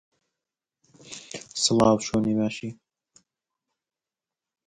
It has always been famous for its location.